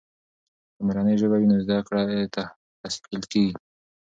که مورنۍ ژبه وي، نو زده کړې تسهیل کیږي.